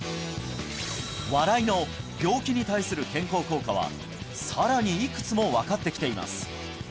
笑いの病気に対する健康効果はさらにいくつも分かってきています